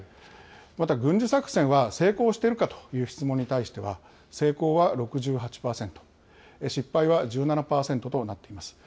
また軍事作戦は成功しているかという質問に対しては、成功は６８％、失敗は１７％となっています。